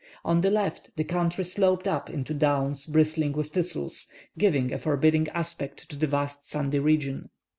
On the left the country sloped up into downs bristling with thistles, giving a forbidding aspect to the vast sandy region.